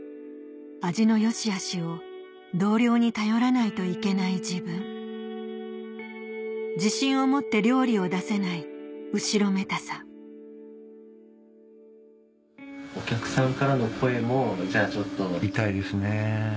味の良しあしを同僚に頼らないといけない自分自信を持って料理を出せない後ろめたさそうです。